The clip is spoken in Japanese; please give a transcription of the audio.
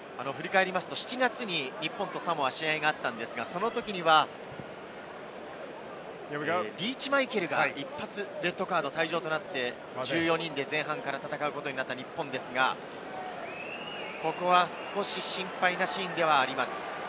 ７月に日本とサモアは試合にあったんですが、その時にはリーチ・マイケルが一発レッドカード、退場となって１４人で前半から戦うことになった日本ですが、ここは少し心配なシーンではあります。